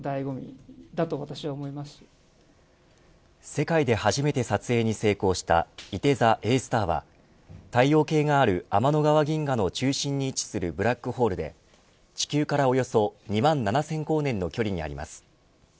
世界で初めて撮影に成功したいて座Ａスター太陽系がある天の川銀河の中心に位置するブラックホールで地球からおよそ２万７０００光年の距離があります。